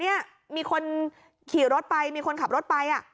เนี่ยมีคนขี่รถไปมีคนขับรถไป